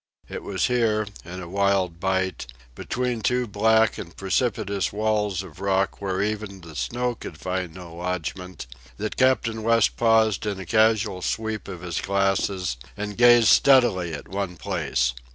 It was here, in a wild bight, between two black and precipitous walls of rock where even the snow could find no lodgment, that Captain West paused in a casual sweep of his glasses and gazed steadily at one place.